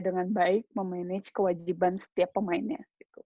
dengan baik memanage kewajiban setiap pemainnya